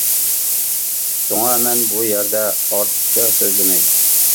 شۇڭا مەن بۇ يەردە ئارتۇقچە سۆزلىمەي.